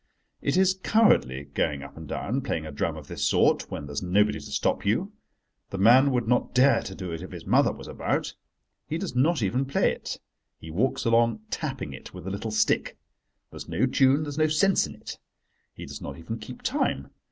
It is cowardly going up and down, playing a drum of this sort, when there is nobody to stop you. The man would not dare to do it if his mother was about. He does not even play it. He walks along tapping it with a little stick. There's no tune, there's no sense in it. He does not even keep time.